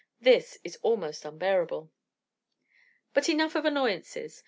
This is almost unbearable. But enough of annoyances.